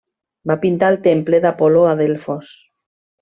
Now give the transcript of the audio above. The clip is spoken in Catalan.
Va pintar el temple d'Apol·lo a Delfos.